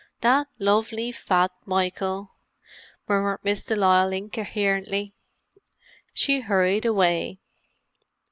That lovely fat Michael!" murmured Miss de Lisle incoherently. She hurried away.